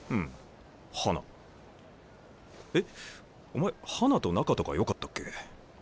お前花と仲とかよかったっけ？